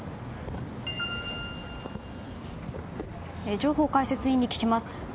上法解説委員に聞きます。